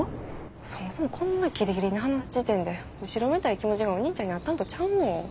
そもそもこんなギリギリに話す時点で後ろめたい気持ちがお兄ちゃんにあったんとちゃうの？